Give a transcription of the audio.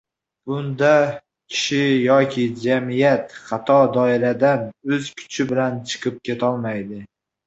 bunda kishi yoki jamiyat xato doiradan o‘z kuchi bilan chiqib ketolmaydi